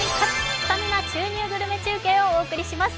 スタミナ注入グルメ中継をお送りします。